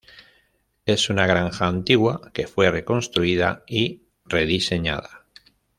Es una granja antigua que fue reconstruida y rediseñada.